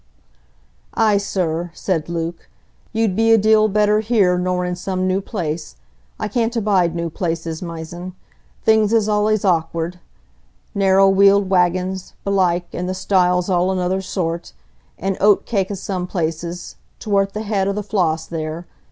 "Ay, sir," said Luke, "you'd be a deal better here nor in some new place. I can't abide new places mysen: things is allays awk'ard,—narrow wheeled waggins, belike, and the stiles all another sort, an' oat cake i' some places, tow'rt th' head o' the Floss, there.